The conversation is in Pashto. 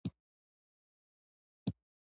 د جبل السراج سمنټو فابریکه تاریخي ده